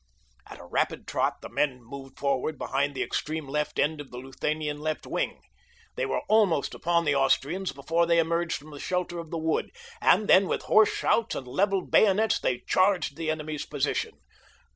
At a rapid trot the men moved forward behind the extreme left end of the Luthanian left wing. They were almost upon the Austrians before they emerged from the shelter of the wood, and then with hoarse shouts and leveled bayonets they charged the enemy's position.